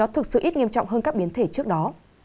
thực sự ít nghiêm trọng hơn các biến thể trước đó